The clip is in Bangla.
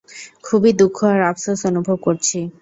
খুবই দুঃখ আর আফসোস অনুভব করছি।